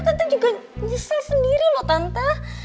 tante juga nyesel sendiri loh tante